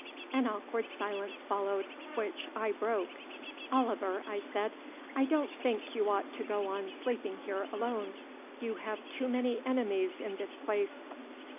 An awkward silence followed, which I broke. "Oliver," I said, "I don't think you ought to go on sleeping here alone. You have too many enemies in this place."